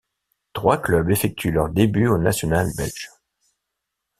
Trois clubs effectuent leur début au national belge.